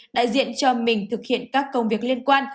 đại diện cho mình thực hiện các công việc liên quan